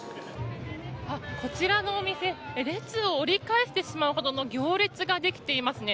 こちらのお店列を折り返してしまうほどの行列ができていますね。